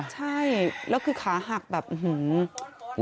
ใช่แล้วคือขาหักแบบ